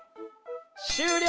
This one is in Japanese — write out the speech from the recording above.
終了！